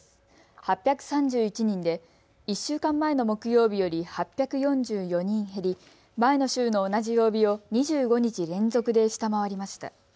８３１人で１週間前の木曜日より８４４人減り、前の週の同じ曜日を２５日連続で下回りました。